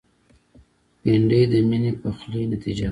بېنډۍ د میني پخلي نتیجه ده